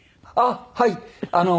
あっはい。